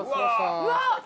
うわっ！